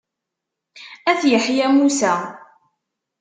Ayt Yeḥya Musa.